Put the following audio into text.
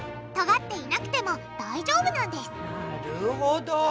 とがっていなくても大丈夫なんですなるほど。